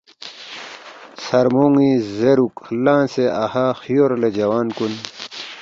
ژھرمونی زیروک لنگسے اَہا خیور لے جوان کُن